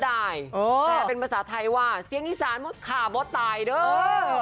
แต่เป็นภาษาไทยว่าเสียงอีสานขาบดตายเด้อ